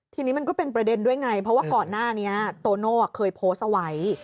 ทีนี้มันก็เป็นประเด็นด้วยไงเพราะว่าก่อนหน้านี้โตโน่เคยโพสต์เอาไว้